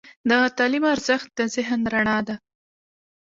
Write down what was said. د تعلیم ارزښت د ذهن رڼا ده.